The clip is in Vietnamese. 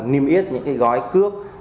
niêm yết những gói cước